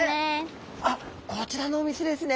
あっこちらのお店ですね。